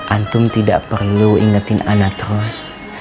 antum tidak perlu ingetin anak terus